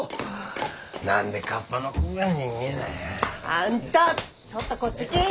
あんたちょっとこっち来ぃ！